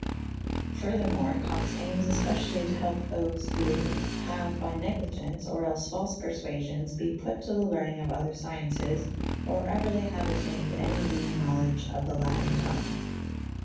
Fur thermore, Cox aims especially to help those who " haue by necly gence or els false parsuasyons be put to the lernynge of other scyences or euer they haue attayned any meane knowledge of the latyne tongue.